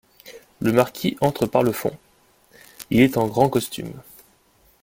Le marquis entre par le fond, il est en grand costume.